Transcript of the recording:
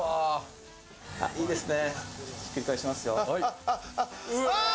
いいですね。